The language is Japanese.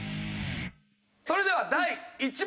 それでは第１問。